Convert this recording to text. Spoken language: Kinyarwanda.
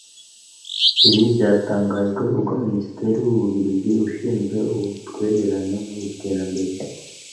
Ibi byatangajwe ubwo Minisitiri w’u Bubiligi ushinzwe ubutwererane mu iterambere